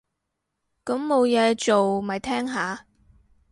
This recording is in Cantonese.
咁冇嘢做，咪聽下